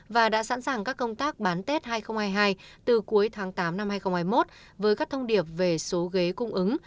và đã sẵn sàng các công tác bán tết hai nghìn hai mươi hai từ cuối tháng tám năm hai nghìn hai mươi một với các thông điệp về số ghế cung ứng